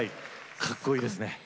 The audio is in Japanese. かっこいいですね。